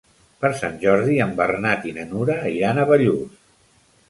Per Sant Jordi en Bernat i na Nura iran a Bellús.